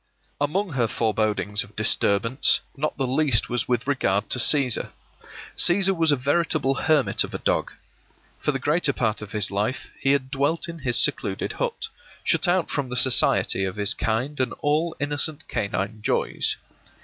Among her forebodings of disturbance, not the least was with regard to Cæsar. Cæsar was a veritable hermit of a dog. For the greater part of his life he had dwelt in his secluded hut, shut out from the society of his kind and all innocent canine joys.